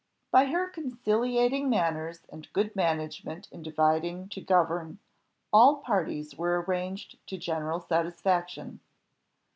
By her conciliating manners and good management in dividing to govern, all parties were arranged to general satisfaction.